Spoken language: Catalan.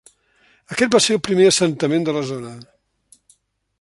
Aquest va ser el primer assentament de la zona.